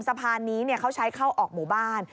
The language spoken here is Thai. สะพานนี้เขาใช้เข้าออกหมู่บ้าน